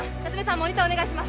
モニターお願いします